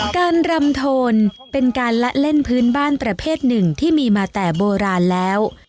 การรำโทนเป็นการละเล่นพื้นบ้านประเภทหนึ่งที่มีมาแต่โบราณแล้ว